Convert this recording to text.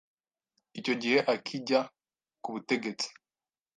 icyo gihe akijya ku butegetsi